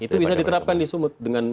itu bisa diterapkan di sumut